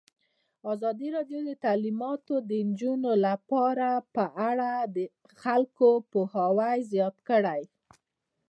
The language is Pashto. ازادي راډیو د تعلیمات د نجونو لپاره په اړه د خلکو پوهاوی زیات کړی.